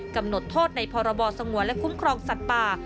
กำหนดโทษในพรบสงวนและคุ้มครองสัตว์ป่า